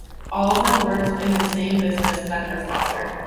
All of them worked in the same business than their father.